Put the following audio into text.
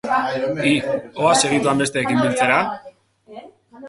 Hi, hoa segituan besteekin biltzera?